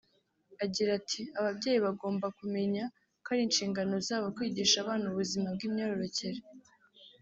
Agira ati “Ababyeyi bagomba kumenya ko ari inshingano zabo kwigisha abana ubuzima bw’imyororokere